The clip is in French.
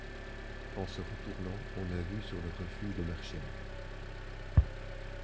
En se retournant on a vue sur le refuge de Marchiennes.